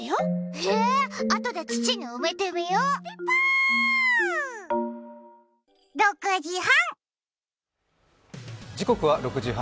へえ、あとで土に埋めてみよう６時半。